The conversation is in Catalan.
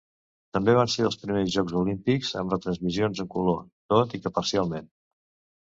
També van ser els primers Jocs Olímpics amb retransmissions en color, tot i que parcialment.